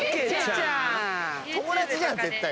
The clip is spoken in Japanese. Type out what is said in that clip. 友達じゃん絶対！